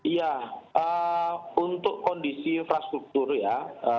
ya untuk kondisi infrastruktur ya